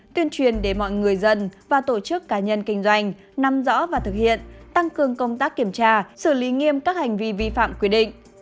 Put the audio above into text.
tuyên truyền để mọi người dân và tổ chức cá nhân kinh doanh nắm rõ và thực hiện tăng cường công tác kiểm tra xử lý nghiêm các hành vi vi phạm quy định